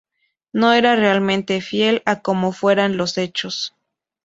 No era realmente fiel a cómo fueron los hechos.